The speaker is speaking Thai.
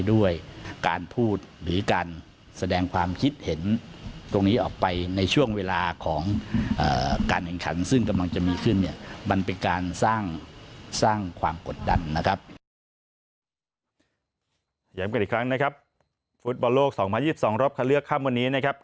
๔นัทที่เรากำลังไปเยือนชนะ๒เสมอ๒ยังไม่เคยแพ้นะครับ